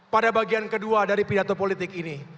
pada bagian kedua dari pidato politik ini